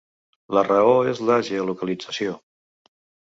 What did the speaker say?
La raó és la geolocalització.